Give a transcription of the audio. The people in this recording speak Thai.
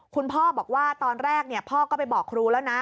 คุณพ่อบอกว่าตอนแรกพ่อก็ไปบอกครูแล้วนะ